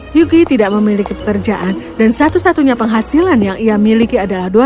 hyuki tidak memiliki pekerjaan dan satu satunya penghasilan yang ia miliki adalah